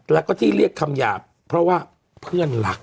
แล้วก็ที่เรียกคำหยาบเพราะว่าเพื่อนรัก